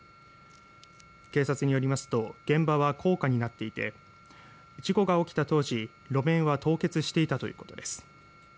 警察によりますと現場は高架になっていて事故が起きた当時路面は凍結していたということです。